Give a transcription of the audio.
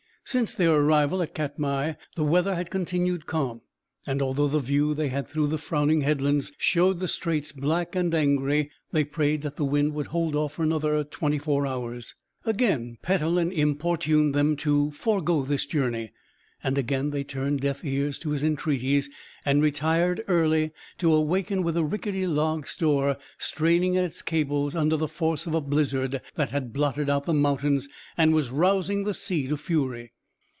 Since their arrival at Katmai the weather had continued calm; and although the view they had through the frowning headlands showed the Straits black and angry, they prayed that the wind would hold off for another twenty four hours. Again Petellin importuned them to forego this journey, and again they turned deaf ears to his entreaties and retired early, to awaken with the rickety log store straining at its cables under the force of a blizzard that had blotted out the mountains and was rousing the sea to fury.